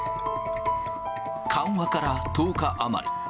緩和から１０日余り。